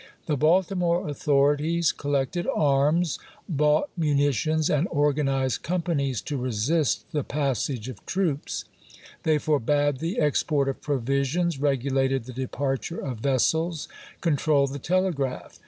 The Baltimore au thorities collected arms, bought munitions, and or ganized companies to resist the passage of troops ; they forbade the export of provisions, regulated the departure of vessels, controlled the telegraph.